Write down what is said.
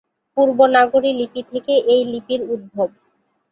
পূর্ব নাগরী লিপি থেকে এই লিপির উদ্ভব।